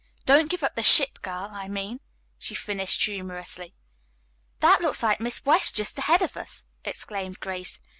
"Don't give up the ship girl, I mean," she finished humorously. "That looks like Miss West just ahead of us!" exclaimed Grace.